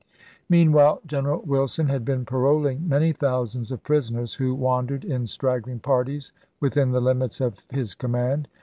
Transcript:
Meanwhile, General Wilson had been paroling many thousands of prisoners, who wandered in straggling parties within the limits of his com mand.